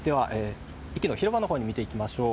駅の広場の方を見ていきましょう。